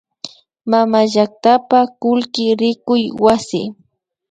Mamallaktapa kullki rikuy wasi